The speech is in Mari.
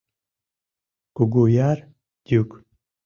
Кугуяр йӱк.